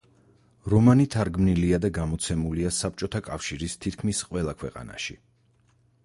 რომანი თარგმნილია და გამოცემულია საბჭოთა კავშირის თითქმის ყველა ქვეყანაში.